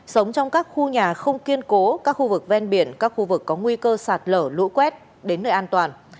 sống trong các khu nhà không kiên cố các khu vực ven biển các khu vực có nguy cơ sạt lở lũ quét đến nơi an toàn